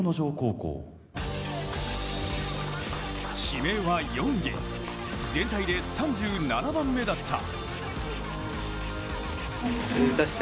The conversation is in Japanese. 指名は４位、全体で３７番目だった。